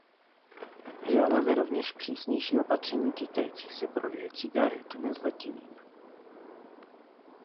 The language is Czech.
Žádáme rovněž přísnější opatření týkající se prodeje cigaret nezletilým.